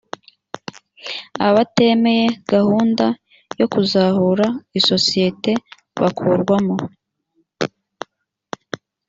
abatemeye gahunda yo kuzahura isosiyete bakurwamo.